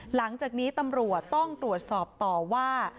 หลังจากนี้ตำรวจต้องตรวจสอบต่อว่า